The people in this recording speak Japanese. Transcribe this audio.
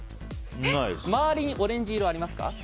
周りにオレンジ色ありますか？